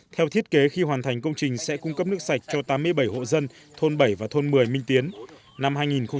theo thiết kế khi hoàn thành công trình sẽ cung cấp nước sạch cho tám mươi bảy hộ dân thôn bảy và thôn một mươi minh tiến năm hai nghìn một mươi bảy